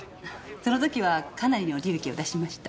その時はかなりの利益を出しました。